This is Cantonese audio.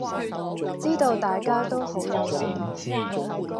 知道大家都好有心